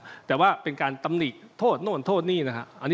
ไม่ถึงเป็นการตำหนิโทษโน่นโทษนี่น